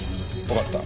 わかった。